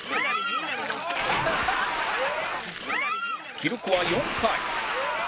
記録は４回